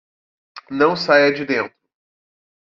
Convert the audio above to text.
Não saia de dentro